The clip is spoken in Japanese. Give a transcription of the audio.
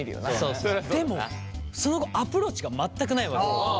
そうそうでもその後アプローチが全くないわけよ。